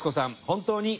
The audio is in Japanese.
本当に。